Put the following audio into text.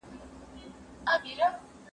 زه سبزیحات وچولي دي؟!